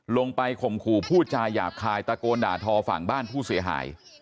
ข่มขู่พูดจาหยาบคายตะโกนด่าทอฝั่งบ้านผู้เสียหาย